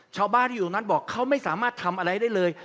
ชาวบ้านที่อยู่ตรงนั้นบอกเขาไม่สามารถทำอะไรได้เลย